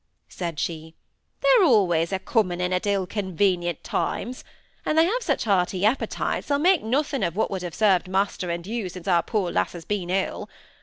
said she; "they're always a coming at ill convenient times; and they have such hearty appetites, they'll make nothing of what would have served master and you since our poor lass has been ill.